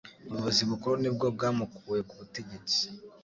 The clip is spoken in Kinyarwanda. Ubuyobozi Bukuru nibwo bwamukuye kubutegetsi